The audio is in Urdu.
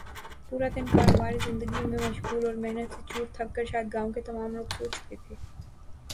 پورا دن کاروبار زندگی میں مشغول اور محنت سے چور تھک کر شاید گاؤں کے تمام لوگ سو چکے تھے